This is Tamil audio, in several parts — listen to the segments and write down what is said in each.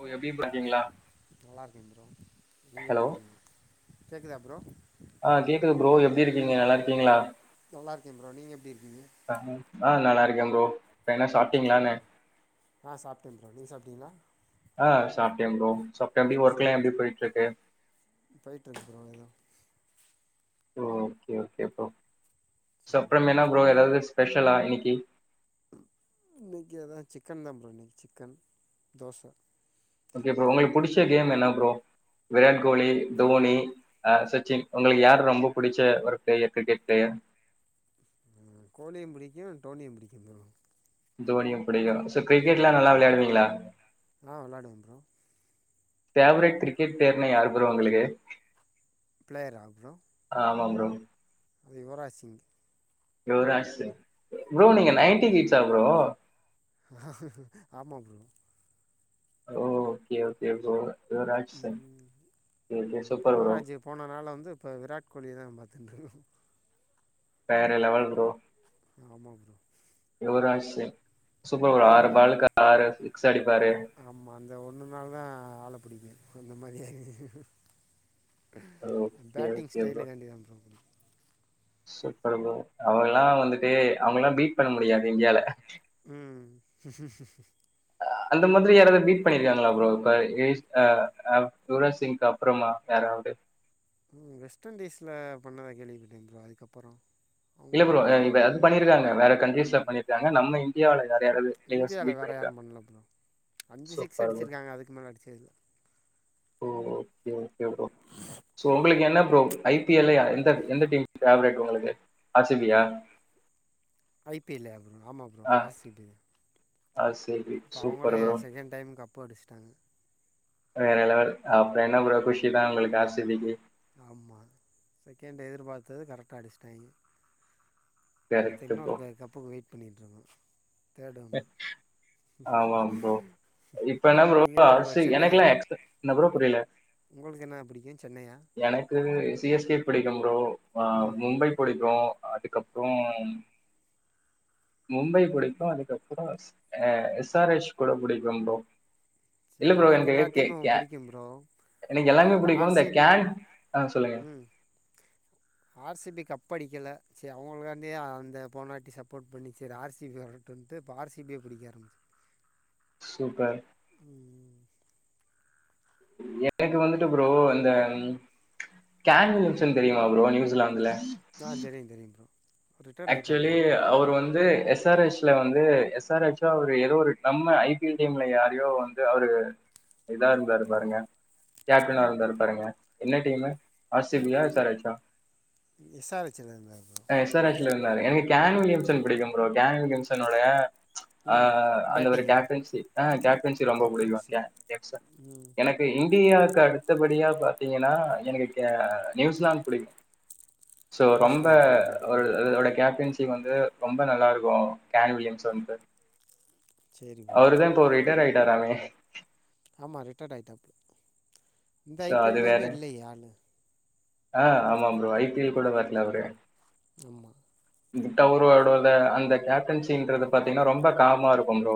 ஓ எப்டி ப்ரோ இருக்கீங்களா நல்லாருக்கே ப்ரோ நீங்க ஹலோ எப்டி இருக்கீங்க கேக்குதா ப்ரோ ஆ கேக்குது ப்ரோ எப்டி இருக்கீங்க நல்லாருக்கீங்ளா நல்லாருக்க ப்ரோ நீங்க எப்டி இருக்கீங்க தகி ஆ நல்லாருக்க ப்ரோ இப்ப என்ன சரி சாப்ட்டீங்களானே ப்ரோ ஆ சாப்ட்ட ப்ரோ நீங்க சாப்ட்டீங்ளா ஆ சாப்ட்டே ப்ரோ சாப்டே எப்டி ஒர்க்ல்லா எப்டி போய்ட்டுருக்கு போய்ட்டு இருக்கு ப்ரோ எல்லா ஓ ஓகே ஓகே ப்ரோ ஸோ அப்பறம் என்ன ப்ரோ எதாவது ஸ்பெஷலா இன்னைக்கி இன்னைக்கி அதா சிக்கன் தா ப்ரோ இன்னக்கி சிக்கன் தோச ஓகே ப்ரோ ஒங்களுக்கு புடிச்ச கேம் என்ன ப்ரோ விராட் கோலி தோனி அ சச்சின் உங்களுக்கு யார் ரொம்ப பிடிச்ச ஒரு பிளேயர் கிரிக்கெட் பிளேயர் கோலியு புடிக்கு டோனியு புடிக்கு ப்ரோ தோனியு புடிக்கு சோ கிரிக்கெட்ல்லா ஆமா நல்லா ப்ரோ விளாடுவீங்களா ஆ விளாடுவேன் ப்ரோ பேவரட் கிரிக்கெட் ப்ளேயர்னா யாரு ப்ரோ ஒங்களுக்கு பிளேயரா ப்ரோ ஆமாம் ப்ரோ இது யுவராஜ் சிங் யுவ்ராஜ் சிங் ஆமா நீங்க ப்ரோ நைன்டி கிட்ஸா ப்ரோ ஆமாம் ப்ரோ ஓ okay okay bro Yuvraj Singh okay super bro போனனாள வந்து இப்போ விராட் கோலி தா பாத்துட்டுருக் வேற லெவல் ப்ரோ ஆமாம் bro Yuvraj Singh super bro நீங்க ஆறு பாலுக்கு ஆறு சிக்ஸூ அடிப்பாரெ ஆமா அந்த ஒன்னு நாள தா ஆள பிடிக்கு அந்த மாரிய ஓகே பேட்டிங் ஓகே ப்ரோ ஸ்டைலுகான்டி தா ப்ரோ சூப்பர் ப்ரோ அவங்கல்லா வந்துட்டு அவங்கல்லா பீட் பண்ண முடியாது இந்தியால உம் அந்த மாதிரி யாராவது பீட் பண்ணியிருக்காங்களா ப்ரோ அ இ யுவராஜ் சிங் அப் அப்றமா யாராவது உம் வெஸ்ட் இண்டீஸ்ல பண்ணதா கேள்விப்பட்டேன் ப்ரோ அதுக்கப்புறோ இல்ல ப்ரோ இப்ப ரன் பண்ணிருக்காங்க வேற கண்ட்ரிஸ்ல ம் பண்ணிருக்காங்க நம்ம இந்.. இந்தியாவுல நெறைய அளவு ப்லேயர்ஸ் இந்தியாவில் மீட் வேறு பண்ணிருக்காங்க. யாரும் பண்ணல ப்ரோ அஞ்சு சிக்ஸ் சூப்பர் ப்ரோ அடிச்சிருக்காங்க அதுக்கு மேல அடிச்சதுஇல்ல. ஓ ஓகே ஓகே ப்ரோ. சோ உங்களுக்கு என்ன ப்ரோ. ஐ பி எல் ல எந்த எந்த டீம் ஃபேவரட் உங்களுக்கு ஆர் சி பி யா ஐ பி யல் லயா ப்ரோ ஆமா ப்ரோ ஆ ஆர் சி பி தா. ஆர் சி பி இப்போ சூப்பர் அவுங்களே ப்ரோ. ரெண்டைம் கப்பு அடிச்சுட்டாங்க வேற லெவல். அப்புறோ என்ன ப்ரோ குஷி தா உங்களுக்கு ஆர் சி பிக்கு. ஆமா செகண்டு எதிர்பார்த்தது கரெக்டா அடிச்சட்டாய்ங்க. அடுத்து கரெக்ட் இன்னொரு ப்ரோ. பைய கப்புக்கு வெயிட் பண்ணிட்டுருக்கோ தேர்ட் வந்து ஆமாம் ப்ரோ. இப்ப என்ன ப்ரோ நீங்க என்ன ஆர் ப்ரோ சி சென்னையா எனக்கெல்லாம் எக்ஸ் என்ன ப்ரோ புரியல. உங்களுக்கு என்ன பிடிக்கு சென்னையா. எனக்கு சி எஸ் கே பிடிக்கும் ப்ரோ ம் மும்பை பிடிக்கு. அதுக்கப்புறோ மும்பை பிடிக்கும் அதுக்கப்புறோ அ எஸ் ஆர் ஹச் கூட பிடிக்கும் ப்ரோ இல்ல ப்ரோ எனக்கு எல்லா கே டீமு கே புடிக்கும் ப்ரோ எனக்கு எல்லாமே அதுக்கப்புறோ இந்த பிடிக்கும். ஆர்சி கேன் ஆ சொல்லுங்க. உம் ஆர் சி பி கப் அடிக்கல சரி அவங்களுகான்டி அந்த போனவாட்டி சப்போர்ட் பண்ணி செரி ஆர் சி பி ன்ட்டு இப்ப ஆர் சி பிய புடிக்க ஆரம்பச் சூப்பர் உம் ம் எனக்கு வந்துட்டு ப்ரோ அந்த ம்.. கேன் வில்சன் தெரியுமா ப்ரோ நியூசிலாந்துல ஆ தெரியு தெரியு ப்ரோ ரிட்டையர்ட் ஆகிட்டாப்ல ஆக்சுவலி இப்போ அவர் வந்து எஸ் ஆர் எச். வந்து எஸ் ஆர் எச்சும் அவரு ஏதோ ஒரு நம்ம ஐ பிஎல் டீம்ல யாரையோ வந்து அவரு இதா இருந்தாருக்கு பாருங்க கேப்டனா இருந்தாரு பாருங்க என்ன டீமு ஆர் சி பி யா எஸ் ஆர் எச் சா இது எஸ் ஆர் எச் ல இருந்தாரு ப்ரோ எஸ் ஆர் எச் ல இருந்தாரு எனக்கு கேன் வில்லியம்சன் புடிக்கு ப்ரோ கேன் வில்லியம்சன்னோட ஆ ம் அந்த ஒரு பேட்டிங்கா கேப்டன்சி ஆ கேப்டன்சி ரொம்ப புடிக்கு கேப்டன்சி கேன் வில்லியம்சன் ம் எனக்கு இண்டியாக்கு அடுத்தபடியா பாத்தீங்கனா எனக்கு கெ நியூஸ்லாந்து புடிக்கு சோ ரொம்ப நியூசிலாந்து பிடிக்குமா ப்ரோ இவரோட கேப்டன்ஸி வந்து ரொம்ப நல்லா இருக்கு கேன் வில்லியம்ஸ்சன்து சரி ப்ரோ அவருதா இப்போ ரிட்டைர் ஆயிட்டாராமே ஆமா ரிட்டைட் ஆயிட்டாப்ல இந்த சோ ஐ பி அது எல் வேற. லயுமே இல்லையே ஆளு ஆ ஆமாம் ப்ரோ ஐ பி எல் கூட வர்ல அவரு ஆமா கிட் அவரு அவரோட அந்த கேப்டன்சின்றத பாத்தீங்னா ரொம்ப காமா இருக்கு ப்ரோ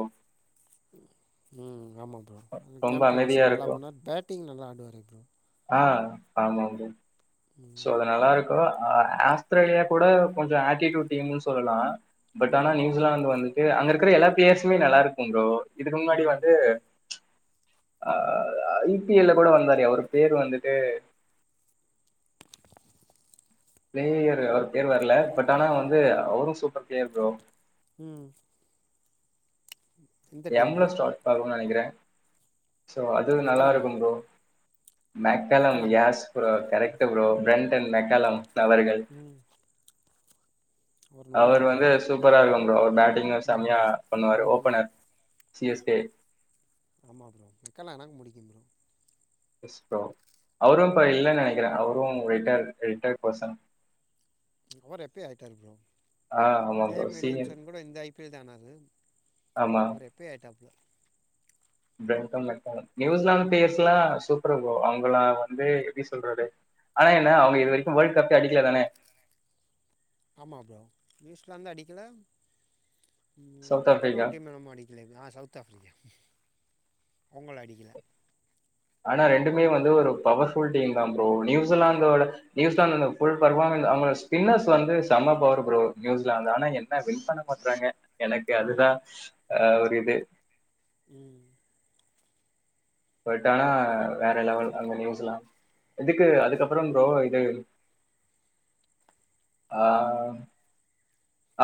ம் ஆமா ப்ரோ ம் ரொம்ப அமைதியா கேம்டபின்சி நல்லா இருக்கும். பன்னுவார் பேட்டிங் நல்லா ஆடுவாரே ப்ரோ ஆ ஆமா ப்ரோ சோ ம் அது நல்லா இருக்கு ஆ அஸ்திரேலியா கூட கொஞ்ச ஆட்டிட்யூட் டீமுன் சொல்லலா பட் ஆனா ம் நியூஸ்லாந்து வந்துட்டு அங்க இருக்கிற எல்லா பிளேயர்ஸுமே நல்லா இருக்கும் ப்ரோ இதுக்கு முன்னாடி ம் வந்து ஆ ஐ பி எல் ல கூட வந்தாரே அவரு பேரு வந்துட்டு பிளேயரு அவர் பேரு வர்ல பட் ஆனா வந்து அவரு சூப்பர் பிளேயர் ப்ரோ ம் ம் எம்ல ஸ்டார்ட் ஆகுன் நெனைக்கிறே சோ அது நல்லா மெக்கலம்மா இருக்கு ப்ரோ மெக்கலன் மெக்கலம்மா yes bro correct bro Brendon McCullum அவர்கள் ம் அவர் நொறுக்கி அவரு வந்து விட்ருவாரு சூப்பரா இருக்கு ப்ரோ பேட்டிங்லா ம் செம்மையா பண்ணுவாரு ம் ஓப்பனர் சி எஸ் கே ஆமா ப்ரோ மெக்கல்லா எனக்கு புடிக்கு ப்ரோ எஸ் ப்ரோ அவரு இப்ப இல்லன் நெனைக்கிறே அவரு ரிட்டைர் ரிட்டைர்டு பெர்சன் அவரு எப்பயோ ஆயிட்டாரு ப்ரோ ஆ ஆமா ப்ரோ கேம் சீனியர் வில்லியம்சன் கூட இந்த ஐ பி எல் தா ஆனாரு ஆமா அவரு எப்பயோ ஆயிட்டாப்ல பிரன்டன் மெக்கல்லா நியூஸ்லாந்து ப்ளேயர்ஸ்லா சூப்பரு ப்ரோ அவங்களா வந்து எப்டி சொல்றது ஆனா என்ன அவுங்க இது வரைக்கு வேல்டு கப்பே அடிக்கலதானே ஆமா ப்ரோ நியூஸ்லாந்து அடிக்கல ம் சவுத் ஆப்பிரிக்கா இன்னொரு டீம் என்னமோ அடிக் இல்ல நா சவுத் ஆஃப்ரிக்கா அவுங்களு அடிக்கல ஆனா ரெண்டுமே வந்து ஒரு பவர்ஃபுல் டீம்தா ப்ரோ நியூஸ்லாந்தோட நியூசிலாந்து வந்து ஃபுல் பெர்ஃபார்மன்ஸ் அவ்ங்க ஸ்பின்னர்ஸ் வந்து செம பவர் ப்ரோ நியூஸ்லாந்து ஆனா எ என்ன வின் பண்ண பாக்றாங்க எனக்கு ம் அதுதா ஆ ஒரு இது ம் பட் ஆனா வேற லெவல் அந்த நியூசிலாந்து இதுக்கு அதுக்கப்ற ப்ரோ இது ஆ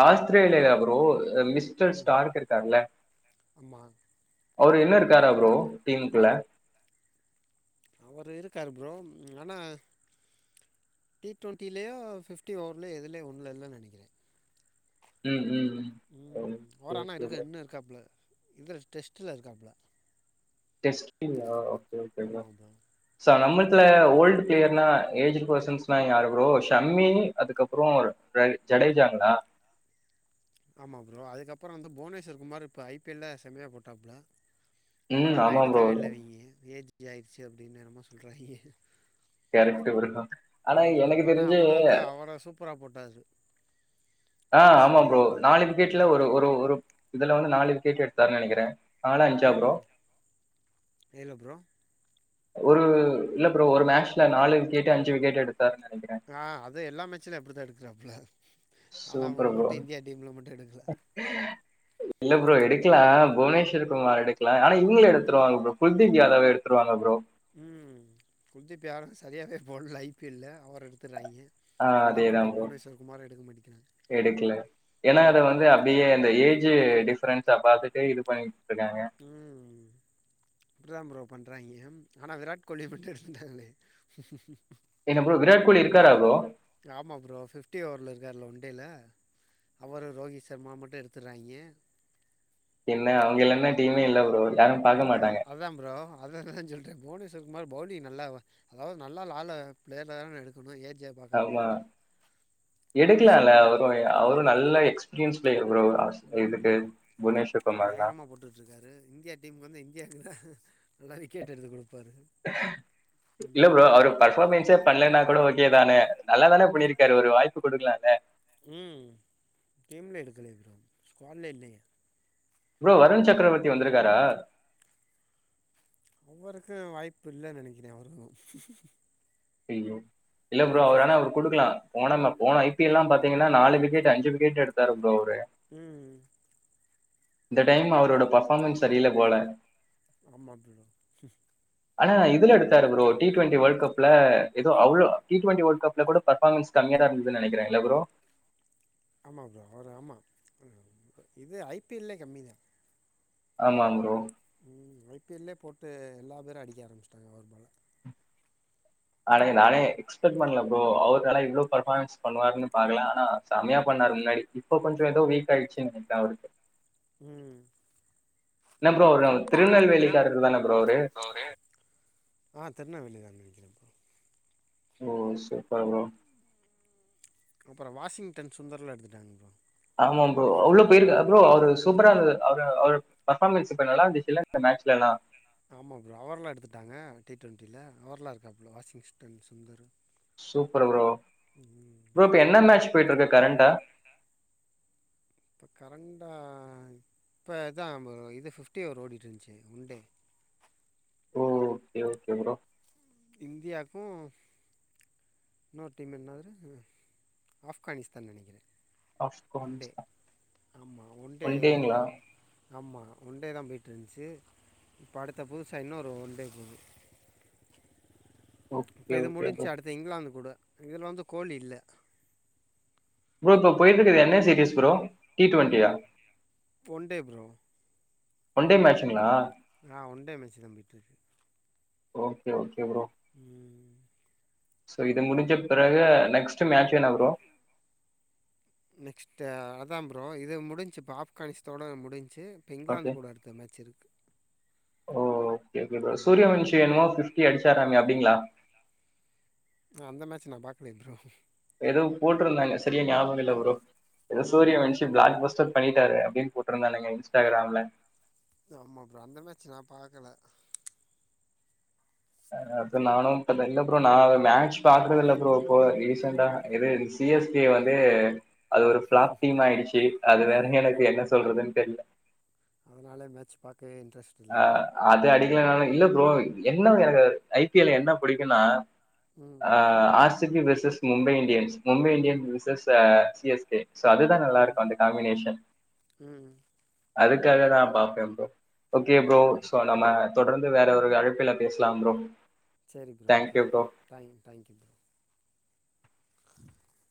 ஆஸ்திரேலியால ப்ரோ அ மிஸ்டர் ம் ஸ்டார்க் இருக்காருல ஆமா அவரு இன்னு இருக்காரா ப்ரோ டீமுக்குள்ள அவரு இருக்காரு ப்ரோ ம் ஆனா டி டுவெண்ட்டிலேயோ ஃபிஃப்டி ஓவர்லேயோ எதுலயு ஒன்ல இல்லன் நெனைக்கிறே ம் ம் ம் ம் ஓரு ஆண்ணா இருக்கு இன்னு இருக்காப்ல இது டெஸ்ட்டுல இருக்காப்ல டெஸ்டிங்கா ஓகே ஓகேங்க ஆமாம் ப்ரோ ஸோ நம்மத்துல ஓல்டு ப்ளேயர்னா ஏஜ்டு பர்சன்ஸ்னா யாரு ப்ரோ ஷம்மி அதுக்கப்றோ ப்ரை ஜடேஜாங்ளா ஆமா ப்ரோ அதுக்கப்றோ வந்து புவனேஷர் குமாரு இப்ப ஐ பி எல் ல செம்மயா போட்டாப்ல அவர ம் ஆனா ஆமா ப்ரோ எடுக்கவே இல்ல இவிங்க ஏஜ் ஆய்ருச்சு அப்டின் என்னமா சொல்றாய்ங்க கேரெட்டு ஒரு ம் ஆனா அவ்ரு வந்து அவ்ளோ சூப்பரா போட்டாரு ஆ ஆமா ப்ரோ நாலு விக்கெட்ல ஒரு ஒரு ஒரு இதுல வந்து நாலு விக்கெட் எடுத்தாருன் நெனைக்கிறே நாலா அஞ்சா ப்ரோ ம் இல்லை ப்ரோ ஒரு இல்ல ப்ரோ ஒரு மேட்ச்ல நாலு விக்கெட்டு அஞ்சு விக்கெட்டு எடுத்தார் நெனக்கிறே ஆ அது எல்லா மேட்ச்லயு அப்டிதா எடுக்குறாப்ல சூப்பர் ப்ரோ மட்டும் எடுக்கல இல்ல ப்ரோ எடு க்ல புவனேஸ்வர் குமார் எடுக்கல ஆனா இவுங்க ம் எடுத்துருவாங்க ப்ரோ குல்தீப் யாதவ் எடுத்துருவாங்க ப்ரோ ம் குல்திப் யாதவ் சரியாவே போட்ல ஐ பி எல் ல அவர எடுத்துறாய்ங்க நல்லா அதேதான் போட்ட புவனேஸ்வர் குமார எடுக்க மாட்டிக்கிறாங் ஏனா அது வந்து அப்டியே அந்த ஏஜ் டிஃப்ரென்ஸ பாத்துட்டே இது பண்ணிட்ருக்காங்க ம் ம் அப்டிதா ப்ரோ பண்றாய்ங்க ஆனா விராட் கோலி மட்டு இருந்தாங்ளே என்ன ப்ரோ விராட் கோலி இருக்காறா ப்ரோ ஆமா ப்ரோ ஃபிஃப்டி ஓவர்ல இருக்கார்ல ஒன் டே ல அவரு ரோகித் சர்மா மட்டு எடுத்துறாய்ங்க என்ன அவிங்க இல்லனா டீமே இல்ல ப்ரோ பாக்க என்ன மாட்டாங்க அதா ப்ரோ அத தா சொல்றே புவனேஸ்வர் குமார் பவுலிங் நல்லா அதாவ்து நல்லா லால ப்ளேயர்ல தானே எடுக்கணு ஏஜ்ஜ ஆமா எடுக்லால்ல புவனேஸ்வர் அவுரு குமாரன் அவுரு ம் நல்ல எக்ஸ்பீரியன்ஸ் ப்ளேயர் ஃப்ரோ ஆஸ் இதுக்கு புவனேஷ்வ குமார் தா இருக்காரு இந்தியா டீம்க்கு வந்து இந்தியாக்கு தா நல்லா விக்கெட் எடுத்து குடுப்பாரு இல்ல ப்ரோ ம் அவுரு பர்ஃபாமென்ஸ்ஸே பண்லேனா கூட ஓகே தானே நல்லா தானே பண்ணிருக்காரு ஒரு வாய்ப்பு குடுக்லால ம் டீம்ல எடுக்கலயே ப்ரோ ஸ்காட்லயே இல்லயே ப்ரோ வருண் சக்கரவர்த்தி வநதுருக்காரா அவருக்கு வாய்ப்பு இல்லன் நெனக்கிறே அவருக்கு ஐயோ இல்ல ப்ரோ அவர் ஆனா அவர் குடுக்லா போனம்மா போன ஐ பி எல் லா பாத்தீங்கன்னா நாலு விக்கெட்டு அஞ்சு விக்கெட் எடுத்தாரு ப்ரோ அவரு ம் இந்த டைம் அவரோட பர்ஃபாமன்ஸ் சரில்ல போல ஆமா ப்ரோ ஆனா இதுல எடுத்தாரு bro T twenty world cup புல எதோ அவ்ளோ டி ட்வென்டி வேர்ல்ட் கப்ல கூட பர்ஃபாமன்ஸ் கம்மியா தா இருந்ததுன் நெனைக்கிறே இல்ல ப்ரோ ஆமா ப்ரோ அவரு ஆமா இது ஐ பி எல் லே கம்மி தா ஆமா ப்ரோ ம் ஐ பி எல் லே போட்டு எல்லா பேரு அடிக்க ஆரம்பிச்ட்டாங்க அவ்ரு பால அன்னக்கி நானே எக்ஸ்பெக்ட் பண்ல ப்ரோ அவர்க்கு ஆனா இவ்ளோ பர்ஃபாமன்ஸ் பண்ணுவாருன் பாக்கல ஆனா செமயா பண்ணாரு முன்னாடி இப்ப கொஞ்சொ எதோ வீக் ஆய்டுச்சு நெனைக்கிறே அவருக்கு ம் என்ன ப்ரோ அவரு திருநெல்வேலிக்காரர் தான ப்ரோ அவரு ஆ திருநெல்வேலி தா நெனைக்குறே ப்ரோ ஓ சூப்பர் ப்ரோ அப்றோ வாஷிங்டன் சுந்தர்லா எடுத்துடாங்க ப்ரோ ஆமாம் ப்ரோ டி உள்ள ட்வெண்டி ஆ போயிருக்கா ப்ரோ அவரு சூப்பரா இருந்தது அவரு அவரு பர்ஃபாமேன்ஸ் இப்ப நல்லாருந்துச்சுல மேட்சுலல்லா ஆமா ப்ரோ அவர்ளா எடுத்துடாங்க டி டோண்டில அவர்ல்லா இருக்காப்ள வாஷிங்டன் சுந்தரு சூப்பர் ப்ரோ ம் என்னா மேட்ச் போயிடு இருக்கு கரண்டா இப்ப கரண்டா இப்பதா இது பிஃப்டி ஒவரு ஓடிட்டு இருந்துச்சு ஒன் டே ஓ ஓகே ஓகே ப்ரோ இந்தியாகு இன்னொரு டீம் என்னாது ஆஃப்கானிஸ்தானு நெனைகுற ஒன்டே ஆப்கானிஸ்தான் ஆமா ஒன்டே ஒன் டேங்களா? ஆமா ஒன்டே தா போய்ட்டு இருந்துசு இப்போ அடுத்த புதுசா இன்னொரு ஒன்டே போகுது ஓகே இப்போ இது ஓகே ப்ரோ முடிஞ்சு அடுத்து இங்கிலாந்து கூட இதுல வந்து கோலி இல்ல ப்ரோ இப்போ போயிடுருக்கது என்ன சீரியஸ் ப்ரோ டி டுவெண்டியா one day bro one day match ஆ ஒண்டே மேச்சு தா போயிடு இருக்கு ஓகே ஓகே ப்ரோ ம் சோ இது முடிஞ்ச பெறகு நெக்ஸ்ட் மேட்சு என்ன ப்ரோ நெக்ஸ்ட்டு அதா ப்ரோ இது முடிஞ்சு ஆப்கானிஸ்த்தோட இது முடிஞ்சு இங்கிலாந்து ஓகே கூட அடுத்த மேட்சு இருக்கு ஓகே ஓகே ப்ரோ ம் சூரியவன்ஷி என்னமோ பிப்டி அடிச்சாராமே அப்படிங்களா நா அந்த மேட்சு நா பாக்கலயே ப்ரோ ஏதோ போட்டிருந்தாங்க சரிய ஞாபக இல்ல ப்ரோ ஏதோ ம் ஸ்டோரில வந்துசு பிளாக் பஸ்டர் பண்ணிட்டாரு அப்டினு போட்டிருந்தாங்க இன்ஸ்டாகிராம்ல ஆமா ப்ரோ அந்த மேட்ச் நா பாக்கல அது நானும் இல்ல ப்ரோ நானு மேட்ச் பாக்குறது இல்ல ப்ரோ இப்ப ரீசெண்டா இது சிஎஸ்கே வந்து அது ஒரு பிளாப் டீம் ஆயிடுச்சு அது வேற எனக்கு என்ன சொல்றதுனு தெரியல அதுனால மேட்ச் பாக்கவே இன்ரெஸ்ட் அ அது அடிக்கல நாலு இல்ல ப்ரோ என்ன எனக்கு ஐபிஎல்ல என்ன பிடிக்குனா ம் ஆ RCB versus Mumbai Indians Mumbai Indians versus C S K அதுதா நல்லா ம் இருக்கு அந்த காமினேஷன் ம் அதுக்காக தா பாப்பே ப்ரோ ஓகே ப்ரோ ம் சோ நம்ம தொடர்ந்து வேற ஒரு அழைப்புல பேசலாம் ப்ரோ சேரி bro okay thank you bro thank you thank you thank you bro ஆ [inaudible]